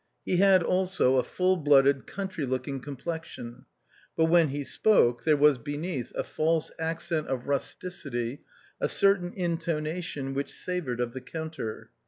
He had also a full blooded, country looking complexion ; but when he spoke there was beneath a false accent of rusticity, a certain intonation which savoured of the counter.